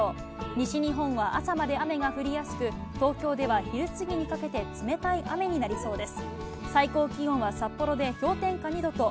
西日本は朝まで雨が降りやすく、東京では昼過ぎにかけて冷たい雨になりそうです。